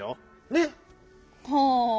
ねっ！はあ。